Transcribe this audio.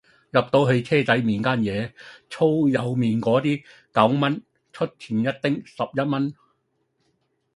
入到去車仔麵間野粗幼麵果啲九蚊出前一丁十一蚊